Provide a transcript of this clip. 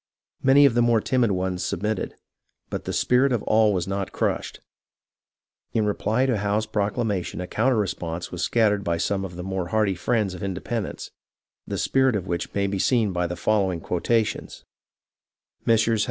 Many of the more timid ones submitted, but the spirit of all was not crushed. In reply to Howe's proclamation a counter response was scattered by some of the more hardy friends of indepen dence, the spirit of which may be seen by the following quotations :—" Messrs.